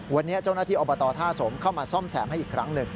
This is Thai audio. วันนี้เจ้าหน้าที่อบตท่าสมเข้ามาซ่อมแซมให้อีกครั้งหนึ่ง